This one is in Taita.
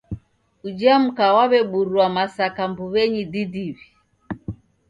Uja mka w'aw'eburua masaka mbuw'enyi didiwi